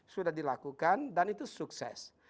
sudah dilakukan dan itu sukses